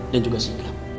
dan juga sigap